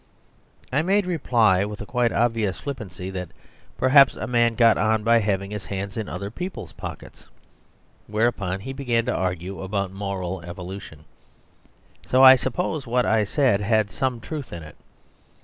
I made reply with the quite obvious flippancy that perhaps a man got on by having his hands in other people's pockets; whereupon he began to argue about Moral Evolution, so I suppose what I said had some truth in it.